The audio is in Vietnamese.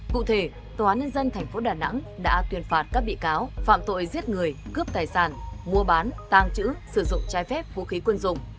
cụ thể tòa án nhân dân tp đà nẵng đã tuyên phạt các bị cáo phạm tội giết người cướp tài sản mua bán tàng trữ sử dụng trái phép vũ khí quân dụng